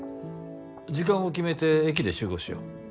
時間を決めて駅で集合しよう。